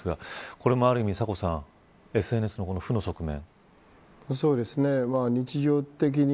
これもある意味ＳＮＳの負の側面。